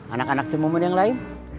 anak anak cemumun yang lain